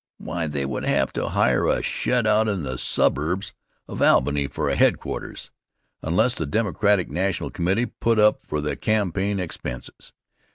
Why, they would have to hire a shed out in the suburbs of Albany for a headquarters, unless the Democratic National Committee put up for the campaign expenses.